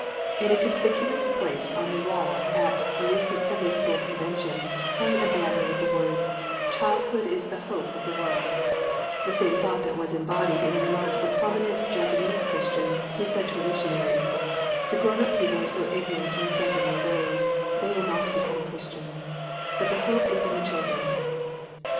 In a conspicuous place on the wall at a recent Sunday School convention hung a banner with the words "Childhood is the Hope of the World," the same thought that was embodied in the remark of a prominent Japanese Christian, who said to a missionary, "The grown up people are so ignorant and set in their ways, they will not become Christians, but the hope is in the children."